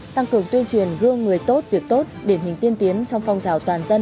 tăng cường tuyên truyền gương người tốt việc tốt điển hình tiên tiến trong phong trào toàn dân